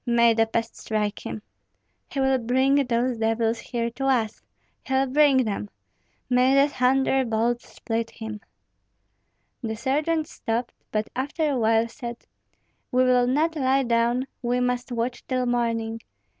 May the pest strike him!" "He will bring those devils here to us, he'll bring them. May the thunderbolts split him!" The sergeant stopped, but after a while said, "We will not lie down; we must watch till morning.